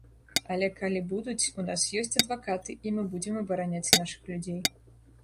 Але калі будуць, у нас ёсць адвакаты, і мы будзем абараняць нашых людзей.